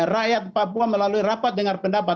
rakyat papua melalui rapat dengan pendapat